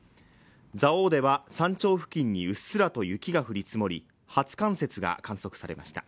蔵王では山頂付近にうっすらと雪が降り積もり初冠雪が観測されました